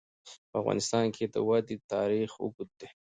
په افغانستان کې د وادي تاریخ اوږد دی.